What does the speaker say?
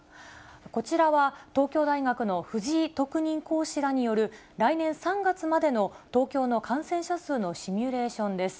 こちらは東京大学の藤井特任講師らによる、来年３月までの東京の感染者数のシミュレーションです。